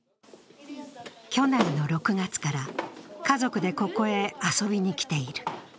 去年の６月から、家族でここへ遊びに来ている。